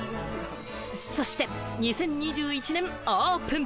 そして２０２１年オープン。